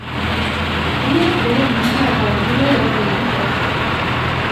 Biek beren muga eta beldurrei aurre egin beharko diete.